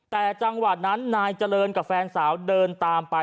แต่จังหวะนั้นนายเจริญกับแฟนสาวเดินตามไป